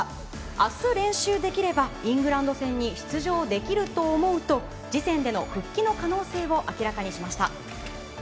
あす、練習できればイングランド戦に出場できると思うと、次戦での復帰の可能性を明らかにしました。